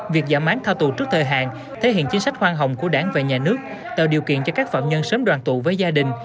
việc giảm án tha tù trước thời hạn thể hiện chính sách khoan hồng của đảng và nhà nước tạo điều kiện cho các phạm nhân sớm đoàn tụ với gia đình